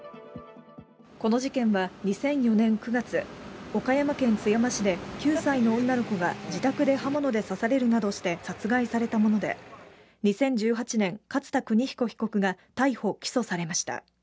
この事件は、２００４年９月、岡山県津山市で９歳の女の子が自宅で刃物で刺されるなどして殺害されたもので、２０１８年、勝田州彦被告が逮捕・起訴されました。